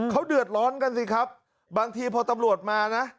เขาเดือดร้อนกันสิครับบางทีพอตำรวจมานะ